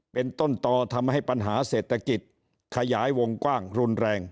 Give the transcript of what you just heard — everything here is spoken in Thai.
เป็นต้นต่อทำให้ปัญหาเศรษฐกิจขยายวงกว้างรุนแรง